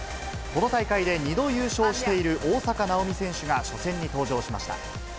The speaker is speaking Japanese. この大会で２度優勝している大坂なおみ選手が初戦に登場しました。